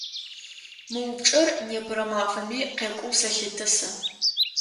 Мы упчӏэр непэрэ мафэми къекӏоу сэлъытэ сэ.